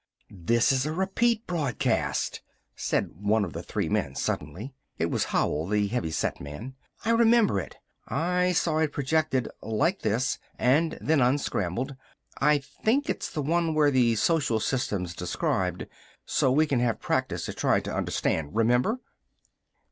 "This is a repeat broadcast!" said one of the three men suddenly. It was Howell, the heavy set man. "I remember it. I saw it projected like this, and then unscrambled. I think it's the one where the social system's described so we can have practice at trying to understand. Remember?"